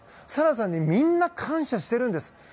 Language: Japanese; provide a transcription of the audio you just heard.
沙羅さんにみんな感謝しているんです。